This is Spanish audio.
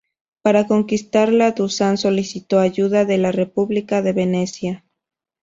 Para conquistarla Dušan solicitó ayuda de la república de Venecia.